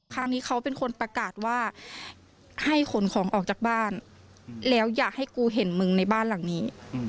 ครั้งนี้เขาเป็นคนประกาศว่าให้ขนของออกจากบ้านแล้วอยากให้กูเห็นมึงในบ้านหลังนี้